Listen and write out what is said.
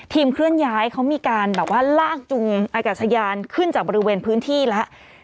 เคลื่อนย้ายเขามีการแบบว่าลากจุงอากาศยานขึ้นจากบริเวณพื้นที่แล้ว